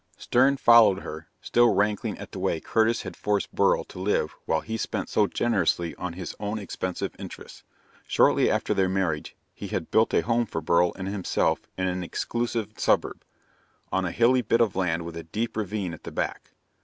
Stern followed her, still rankling at the way Curtis had forced Beryl to live while he spent so generously on his own expensive interests. Shortly after their marriage, he had built a home for Beryl and himself in an exclusive suburb, on a hilly bit of land with a deep ravine at the back.